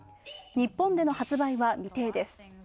日本での発売は未定です。